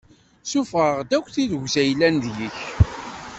Sṣufeɣ-d akk tirrugza i yellan deg-k.